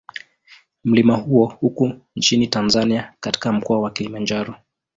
Mlima huo uko nchini Tanzania katika Mkoa wa Kilimanjaro.